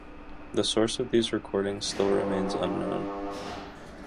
The source of these recordings still remains unknown.